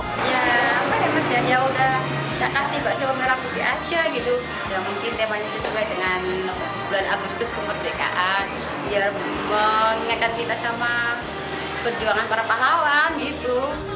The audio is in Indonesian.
ya apa ya mas ya udah saya kasih bakso merah putih aja gitu ya mungkin temanya sesuai dengan bulan agustus kemerdekaan biar mengingatkan kita sama perjuangan para pahlawan gitu